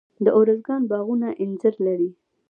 د ارزګان باغونه انځر لري.